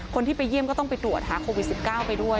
คนที่ไปเยี่ยมก็ต้องไปตรวจหาโควิด๑๙ไปด้วย